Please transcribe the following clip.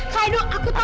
kak aido aku tau